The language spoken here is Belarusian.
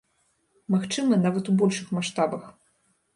Магчыма, нават у большых маштабах.